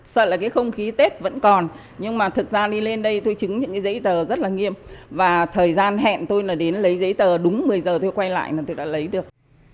sợ là cái không khí tết vẫn còn nhưng mà thực ra đi lên đây tôi chứng những cái giấy tờ rất là nghiêm và thời gian hẹn tôi là đến lấy giấy tờ đúng một mươi giờ tôi quay lại là tôi đã lấy được